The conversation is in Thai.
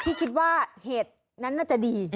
คิดว่าเหตุนั้นน่าจะดี